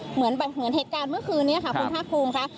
เหมือนเหตุการณ์เมื่อคืนนี้ค่ะคุณภาคภูมิค่ะ